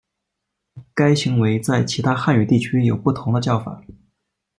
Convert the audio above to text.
该行为在其他汉语地区有不同的叫法。